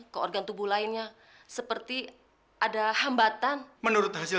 coba dipejam sebentar